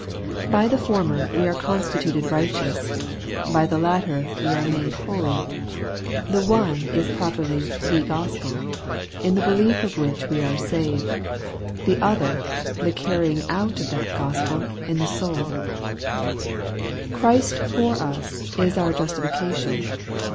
By the former we are constituted righteous, by the latter we are made holy. The one is properly the gospel, in the belief of which we are saved; the other, the carrying out of that gospel in the soul Christ ' for us ' is our justification.